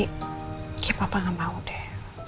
ya papa nggak mau deh